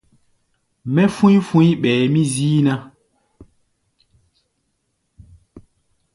Mɛ́ fú̧í̧ fu̧í̧ ɓɛɛ mí zíí ná.